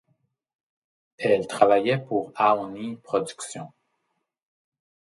Elle travaillait pour Aoni Production.